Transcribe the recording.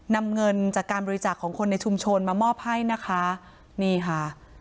นำเงินจากการบริจาคของคนในชุมชนมามอบให้นะคะนี่ค่ะ